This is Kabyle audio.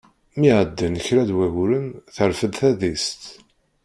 Mi ɛeddan kraḍ waguren terfed tadist.